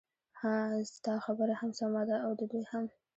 ههه ستا خبره هم سمه ده او د دوی هم.